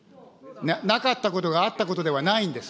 なかったことがあったことではないんです。